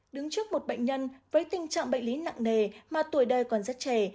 đứng trước một bệnh nhân với tình trạng bệnh lý nặng nề mà tuổi đời còn rất trẻ